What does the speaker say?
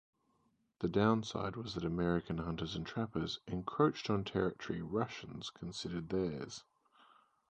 The downside was that American hunters and trappers encroached on territory Russians considered theirs.